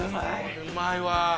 うまいわ。